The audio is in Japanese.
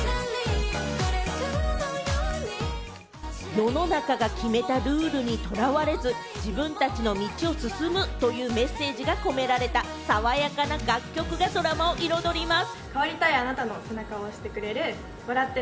世の中が決めたルールにとらわれず、自分たちの道を進むというメッセージが込められた、爽やかな楽曲がドラマを彩ります。